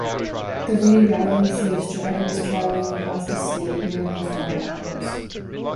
The rerouting saves drivers traveling across the state nearly four hours.